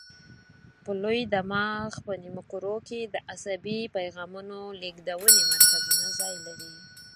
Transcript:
په لوی دماغ په نیمو کرو کې د عصبي پیغامونو لېږدونې مرکزونه ځای لري.